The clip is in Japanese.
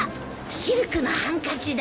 シルクのハンカチだ。